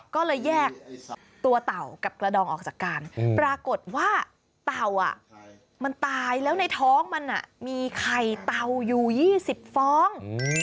ก็เลยแยกตัวเต่ากับกระดองออกจากการปรากฏว่าเต่ามันตายแล้วในท้องมันมีไข่เต่าอยู่๒๐ฟ้อง